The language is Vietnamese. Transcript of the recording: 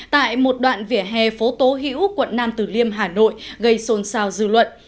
tại một đoạn vỉa hè phố tố hữu quận nam tử liêm hà nội gây xôn xao dư luận